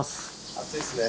暑いっすね。